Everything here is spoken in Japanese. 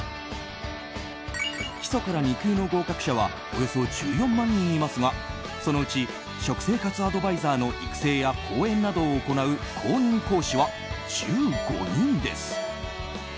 基礎から２級の合格者はおよそ１４万人いますがそのうち食生活アドバイザーの育成や講演などを行う公認講師は１５人です。